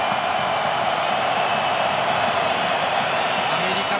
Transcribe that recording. アメリカ